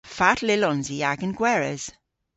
Fatel yllons i agan gweres?